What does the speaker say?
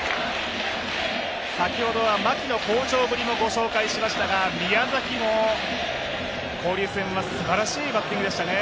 先ほどは牧の好調ぶりもご紹介しましたが、宮崎も交流戦はすばらしいバッティングでしたね。